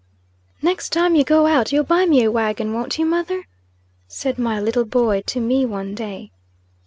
"NEXT time you go out, you'll buy me a wagon, won't you, mother?" said my little boy to me, one day.